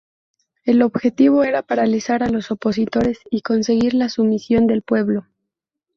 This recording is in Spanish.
El objetivo era paralizar a los opositores y conseguir la sumisión del pueblo.